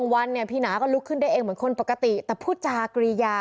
วันเนี่ยพี่หนาก็ลุกขึ้นได้เองเหมือนคนปกติแต่พูดจากรียา